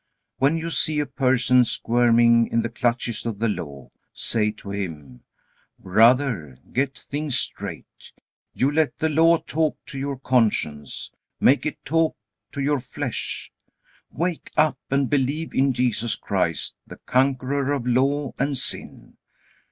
When you see a person squirming in the clutches of the Law, say to him: "Brother, get things straight. You let the Law talk to your conscience. Make it talk to your flesh. Wake up, and believe in Jesus Christ, the Conqueror of Law and sin.